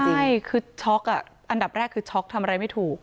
ใช่คือช็อกอันดับแรกคือช็อกทำอะไรไม่ถูก